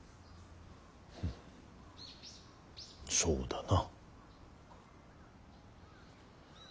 そうだな。